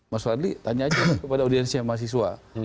mas wadli tanya aja kepada audiensi mahasiswa